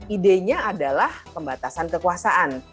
ide nya adalah pembatasan kekuasaan